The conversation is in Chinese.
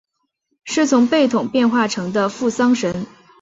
是从贝桶变化成的付丧神。